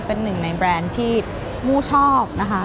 เป็นหนึ่งในแบรนด์ที่มู่ชอบนะคะ